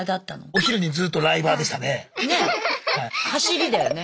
お昼にずっとライバーでしたね。